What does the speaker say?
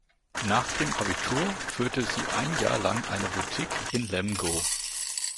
Nach dem Abitur führte sie ein Jahr lang eine Boutique in Lemgo.